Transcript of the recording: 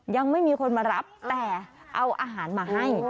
ยังไม่มีคนมารับแต่เอาอาหารมาให้